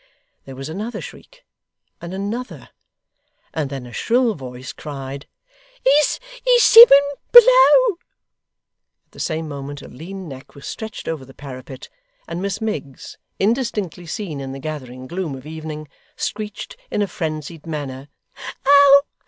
There was another shriek, and another, and then a shrill voice cried, 'Is Simmun below!' At the same moment a lean neck was stretched over the parapet, and Miss Miggs, indistinctly seen in the gathering gloom of evening, screeched in a frenzied manner, 'Oh!